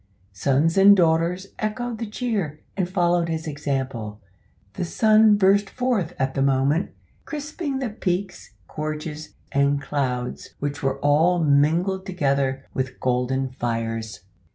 Sons and daughters echoed the cheer, and followed his example. The sun burst forth at the moment, crisping the peaks, gorges, and clouds which were all mingled together with golden fires.